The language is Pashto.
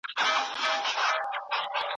دغه ک دلته پای ته رسیږي.